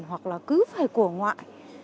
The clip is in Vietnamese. hoặc là cứ phải của ngoại